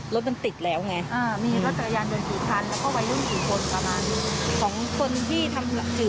ก็ไปเห็นว่าเขาตอนหนึ่งก่อนกันอยู่แล้ว